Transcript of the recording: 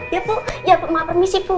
iya bu iya maaf permisi bu